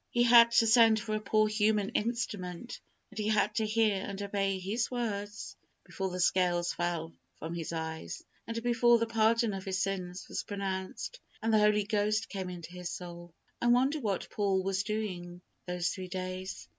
He had to send for a poor human instrument, and he had to hear and obey his words, before the scales fell from his eyes, and before the pardon of his sins was pronounced, and the Holy Ghost came into his soul. I wonder what Paul was doing those three days!